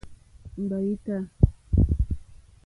Ŋɡbâ í tâ.